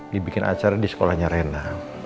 dibikin acara di sekolahnya rena